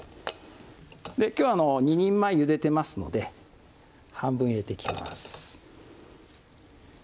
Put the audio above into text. きょうは２人前ゆでてますので半分入れていきます